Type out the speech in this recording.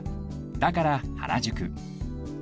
だから原宿